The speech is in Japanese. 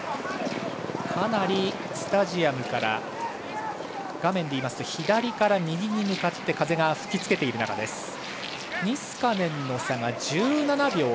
かなりスタジアムから画面でいいますと左から右に向かって風が吹きつけています。